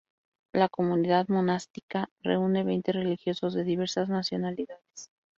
La comunidad monástica reúne veinte religiosos de diversas nacionalidades.